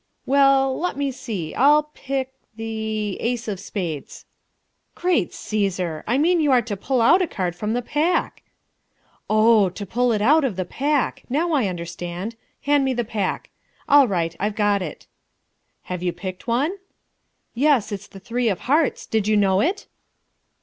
"Well, let me see, I'll pick the ace of spades." "Great Caesar! I mean you are to pull a card out of the pack." "Oh, to pull it out of the pack! Now I understand. Hand me the pack. All right I've got it." "Have you picked one?" "Yes, it's the three of hearts. Did you know it?"